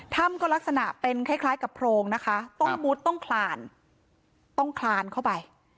ถ้ำก็ลักษณะเป็นคล้ายกับโพรงนะคะต้องมุดต้องคลานต้องคลานเข้าไป